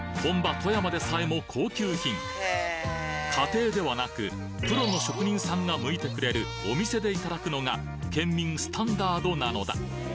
富山でさえも高級品家庭ではなくプロの職人さんがむいてくれるお店でいただくのが県民スタンダードなのだ